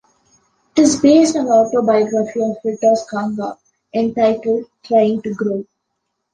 It is based on the autobiography of Firdaus Kanga entitled "Trying to Grow".